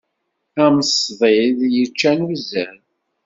Am ṣdid yeččan uzzal.